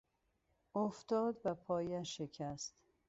افتاد و پایش شکست.